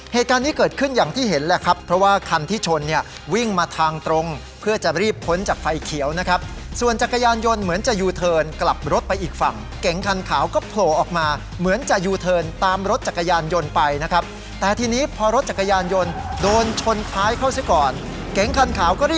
เหตุการณ์นี้เกิดขึ้นอย่างที่เห็นแหละครับเพราะว่าคันที่ชนเนี่ยวิ่งมาทางตรงเพื่อจะรีบพ้นจากไฟเขียวนะครับส่วนจักรยานยนต์เหมือนจะยูเทิร์นกลับรถไปอีกฝั่งเก๋งคันขาวก็โผล่ออกมาเหมือนจะยูเทิร์นตามรถจักรยานยนต์ไปนะครับแต่ทีนี้พอรถจักรยานยนต์โดนชนท้ายเข้าซะก่อนเก๋งคันขาวก็รีบ